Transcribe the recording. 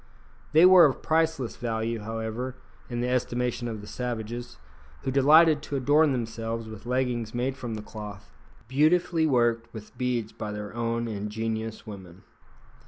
They were of priceless value, however, in the estimation of the savages, who delighted to adorn themselves with leggings made from the cloth, beautifully worked with beads by their own ingenious women.